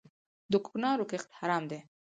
د کوکنارو کښت حرام دی؟